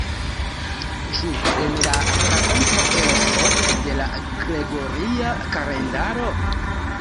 Ĉu en la rakonto eĥo de la gregoria kalendaro?